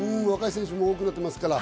若い選手が多くなってますから。